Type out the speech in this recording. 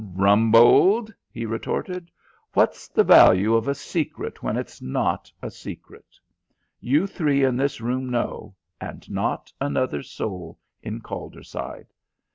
"Rumbold," he retorted, "what's the value of a secret when it's not a secret? You three in this room know, and not another soul in Calderside."